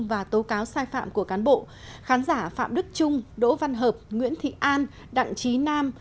và tố cáo sai phạm của cán bộ khán giả phạm đức trung đỗ văn hợp nguyễn thị an đặng trí nam